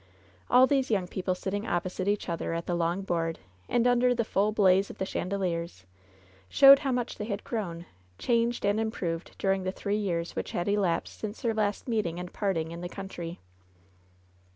All these young people sitting opposite each other at the long board, and under the full blaze of the chan deliers, showed how much they had grown, changed and improved during the three years which had elapsed since their last meeting and parting in the country.